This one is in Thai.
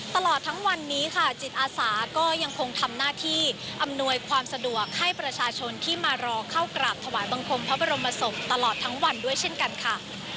ตลอดทั้งวันนี้ค่ะจิตอาสาก็ยังคงทำหน้าที่อำนวยความสะดวกให้ประชาชนที่มารอเข้ากราบถวายบังคมพระบรมศพตลอดทั้งวันด้วยเช่นกันค่ะ